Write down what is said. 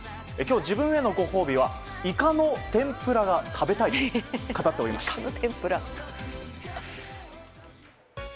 今日、自分へのご褒美はイカの天ぷらが食べたいと語っていました。